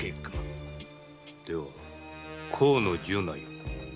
では河野十内を？